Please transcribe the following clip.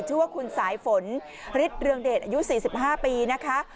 ชื่อว่าคุณสายฝนฤทธิ์เรืองเดชอายุสี่สิบห้าปีนะคะ